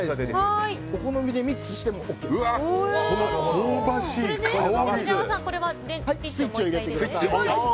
お好みでミックスしてもＯＫです。